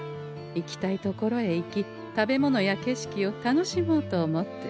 行きたいところへ行き食べ物や景色を楽しもうと思って。